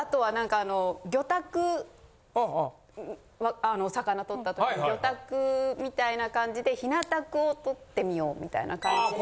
あの魚とった時の魚拓みたいな感じでヒナたくをとってみようみたいな感じで。